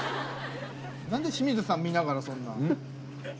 何で清水さん見ながらそんな。